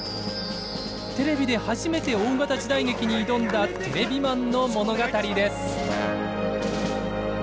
テレビで初めて大型時代劇に挑んだテレビマンの物語です。